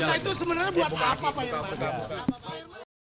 seratus juta itu sebenarnya buat apa pak irman